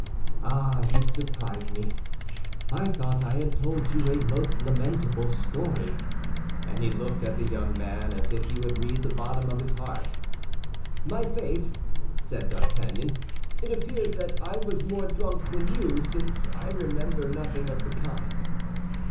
"Ah, you surprise me. I thought I had told you a most lamentable story." And he looked at the young man as if he would read the bottom of his heart. "My faith," said D'Artagnan, "it appears that I was more drunk than you, since I remember nothing of the kind."